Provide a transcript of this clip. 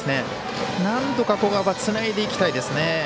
なんとか、ここはつないでいきたいですね。